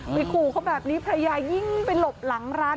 ขู่เขาแบบนี้ภรรยายิ่งไปหลบหลังร้าน